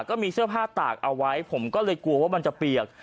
ก็มีเสื้อผ้าตากเอาไว้ผมก็เลยกลัวว่ามันจะเปียก